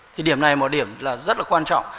thì điểm này là một điểm rất là quan trọng